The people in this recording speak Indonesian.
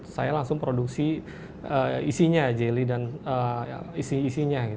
saya langsung produksi isinya jelly dan isi isinya